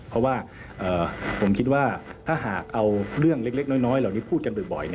เพราะว่าผมคิดว่าถ้าหากเอาเรื่องเล็กน้อยเหล่านี้พูดกันบ่อย